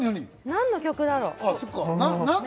何の曲だろ？